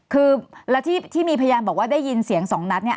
คือแล้วที่มีพยานบอกว่าได้ยินเสียงสองนัดเนี่ย